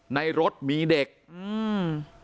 ในรถมีเด็กอืม